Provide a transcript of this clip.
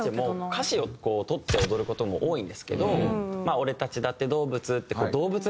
歌詞をとって踊る事も多いんですけど「俺たちだって動物」って「動物」って入ったりしてて。